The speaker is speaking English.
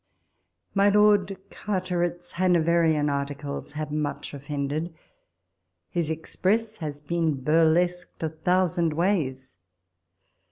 My Lord Carteret's Hanoverian articles have much offended ; his express has been burlesqued a thousand ways.